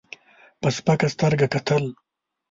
په سپکه سترګه کتل.